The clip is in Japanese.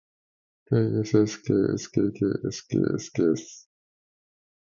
ｋｓｓｋｓｋｋｓｋｓｋｓ